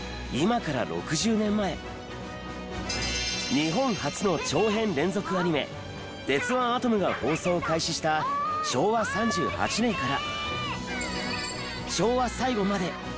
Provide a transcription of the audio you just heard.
日本初の長編連続アニメ『鉄腕アトム』が放送を開始した昭和３８年から昭和最後まで。